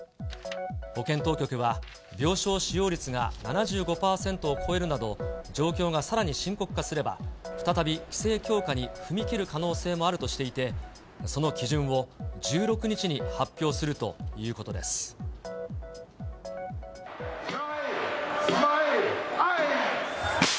保健当局は、病床使用率が７５％を超えるなど、状況がさらに深刻化すれば、再び規制強化に踏み切る可能性もあるとしていて、その基準を１６日に発表するということです。